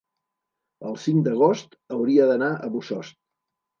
el cinc d'agost hauria d'anar a Bossòst.